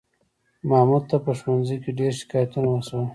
محمود ته په ښوونځي کې ډېر شکایتونه وشول